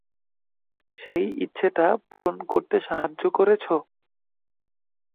সেই ইচ্ছেটা পূরণ করতে সাহায্য করেছ?